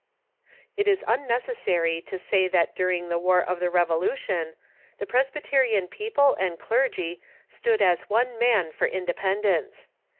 It is unnecessary to say that during the War of the Revolu tion the Presbyterian people and clergy stood as one man for ^^„^„^ independence.